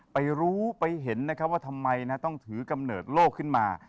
ไปรู้ไปเห็นนะครับว่าทำไมต้องถือกำเนิดโลกขึ้นมา